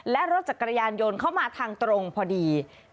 และรถจักรยานยนต์เข้ามาทางตรงพอดี